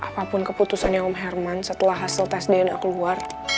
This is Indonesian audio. apapun keputusannya om herman setelah hasil tes dna keluar